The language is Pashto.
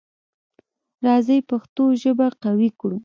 راځی پښتو ژبه قوي کړو.